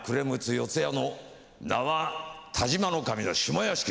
四谷の名和但馬守の下屋敷で。